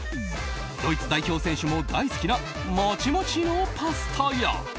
ドイツ代表選手も大好きなモチモチのパスタや。